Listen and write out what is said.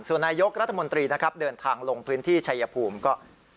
ส่วนนายยกรัฐมนตรีนะครับเดินทางลงพื้นที่ชายภูมิก็